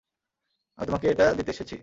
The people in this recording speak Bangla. আমি তোমাকে এটা দিতে এসেছি।